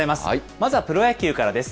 まずはプロ野球からです。